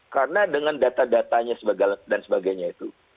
karena dengan data datanya dan sebagainya itu